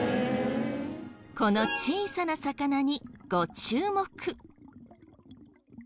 この小さな魚にご注目。